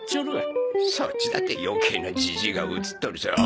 そっちだって余計なじじいが写っとるぞ。